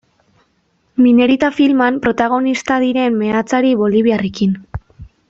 Minerita filman protagonista diren meatzari boliviarrekin.